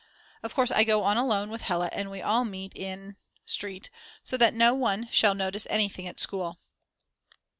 Of course I go on alone with Hella and we all meet In Street, so that no one shall notice anything at school.